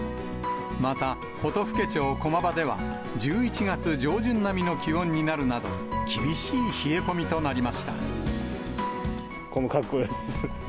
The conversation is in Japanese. また、音更町駒場では１１月上旬並みの気温になるなど、厳しい冷え込みこの格好です。